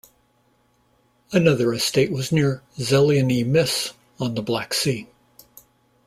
Another estate was near Zelyony Myss on the Black Sea.